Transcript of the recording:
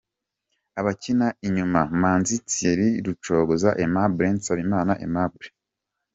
Abakina inyuma: Manzi Thierry, Rucogoza Aimable, Nsabimana Aimable.